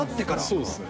そうですね。